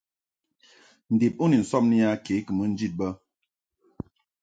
Ndib u ni sɔbni a ke kɨ mɨ njid bə.